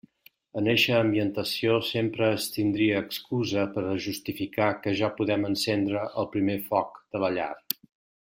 En eixa ambientació sempre es tindria excusa per a justificar que ja podem encendre el primer foc de la llar.